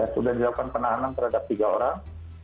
sudah dilakukan penahanan terhadap tiga orang